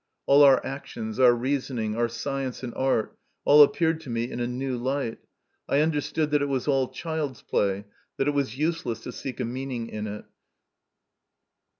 All our actions, our reasoning, our science and art, all appeared to me in a new light. I understood that it was all child's play, that it was useless to seek a meaning in it.